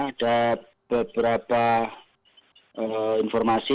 ada beberapa informasi